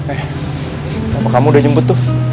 eh apa kamu udah jemput tuh